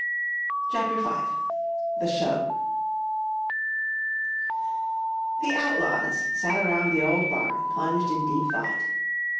CHAPTER V THE SHOW The Outlaws sat around the old barn, plunged in deep thought.